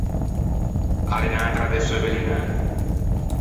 A l’é unn’atra de seu bellinate.